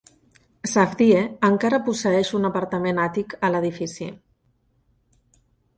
Safdie encara posseeix un apartament Àtic a l'edifici.